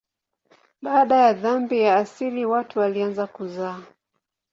Baada ya dhambi ya asili watu walianza kuzaa.